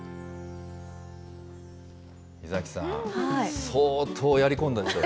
伊崎さん、相当やり込んだでしょ？